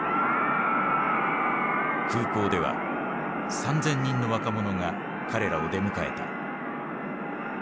空港では３，０００人の若者が彼らを出迎えた。